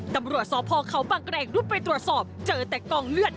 ตำรวจสพเขาบางแกรงรุดไปตรวจสอบเจอแต่กองเลือด